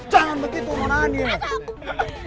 jangan begitu mana nadia